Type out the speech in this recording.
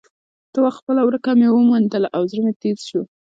ته وا خپله ورکه مې وموندله او زړه مې تیز شو.